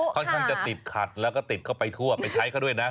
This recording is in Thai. ค่อนข้างจะติดขัดแล้วก็ติดเข้าไปทั่วไปใช้เขาด้วยนะ